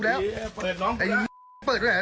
ตัวอะไร